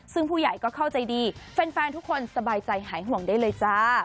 ซึ่งผู้ใหญ่ก็เข้าใจดีแฟนทุกคนสบายใจหายห่วงได้เลยจ้า